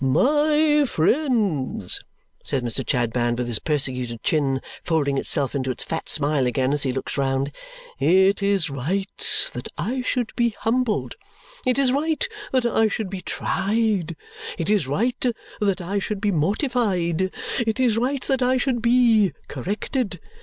"My friends," says Mr. Chadband with his persecuted chin folding itself into its fat smile again as he looks round, "it is right that I should be humbled, it is right that I should be tried, it is right that I should be mortified, it is right that I should be corrected.